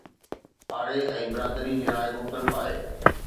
پاڙي ۽ برادريءَ جي راءِ مختلف آهي.